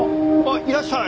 いらっしゃい。